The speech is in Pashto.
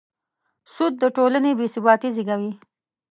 سود د ټولنې بېثباتي زېږوي.